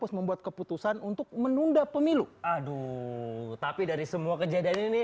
sebelumnya kita belum kenal